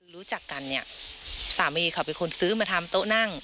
รู้จักกันเนี่ยสามีเขาเป็นคนซื้อมาทำโต๊ะนั่ง